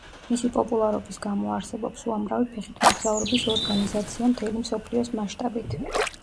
მისი პოპულარობის გამო არსებობს უამრავი ფეხით მოგზაურობის ორგანიზაცია მთელი მსოფლიოს მასშტაბით.